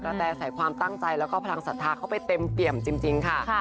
แตใส่ความตั้งใจแล้วก็พลังศรัทธาเข้าไปเต็มเปี่ยมจริงค่ะ